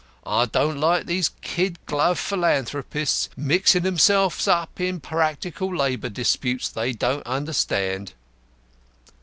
I don't like these kid glove philanthropists mixing themselves up in practical labour disputes they don't understand.'"